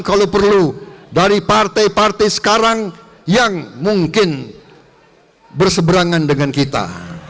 kalau perlu dari partai partai sekarang yang mungkin berseberangan dengan kita